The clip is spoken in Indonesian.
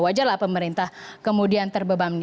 wajar lah pemerintah kemudian terbebam ini